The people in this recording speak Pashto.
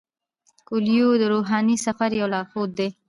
کویلیو د روحاني سفر یو لارښود دی.